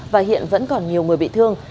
và hiện vẫn còn nhiều người bị thương